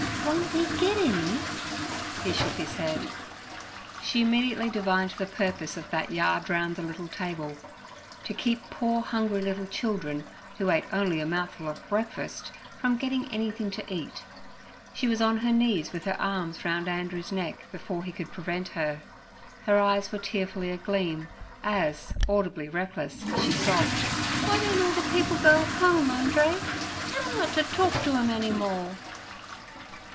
'Won't we get any?' He shook his head. She immediately divined the purpose of that yard round the little table: to keep poor hungry little children, who ate only a mouthful of breakfast, from getting anything to eat. She was on her knees with her arms round Andrew's neck before he could prevent her. Her eyes were tearfully agleam, as, audibly reckless, she sobbed: 'W'y don't all the people go home, Andree? Tell 'im not to talk to 'em any more.'